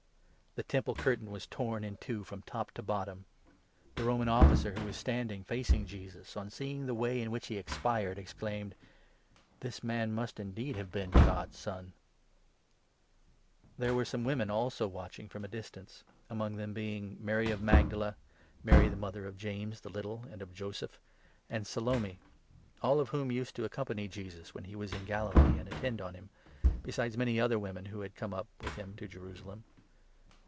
The Temple 37, curtain was torn in two from top to bottom. The 39 Roman Officer, who was standing facing Jesus, on seeing the way in which he expired, exclaimed :" This man must indeed have been ' God's Son '!" There were some women also watching from a distance, 40 among them being Mary of Magdala, Mary the mother of James the Little and of Joseph, and Salome — all of whom 41 used to accompany Jesus when he was in Galilee, and attend on him — besides many other women who had come up with him to Jerusalem.